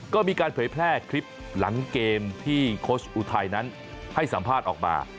ก็มีการเผยแพร่คลิปหลังเกมที่โค้ชอุทัยนั้นให้สัมภาษณ์ออกมา